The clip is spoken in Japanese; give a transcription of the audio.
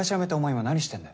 今何してんだよ。